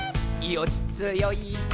「よっつよいこも